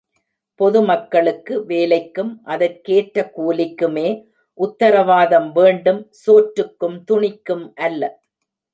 பொதுமக்களுக்கு வேலைக்கும், அதற்கேற்ற கூலிக்குமே உத்தரவாதம் வேண்டும் சோற்றுக்கும் துணிக்கும் அல்ல.